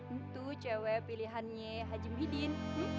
itu cewek pilihannya hajim hidin